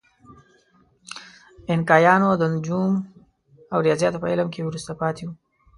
اینکایانو د نجوم او ریاضیاتو په علم کې وروسته پاتې وو.